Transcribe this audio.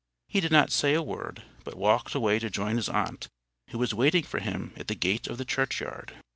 He did not say a word, but walked away to join his aunt, who was waiting for him at the gate of the churchyard.